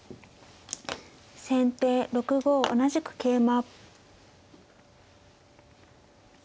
先手６五同じく桂馬。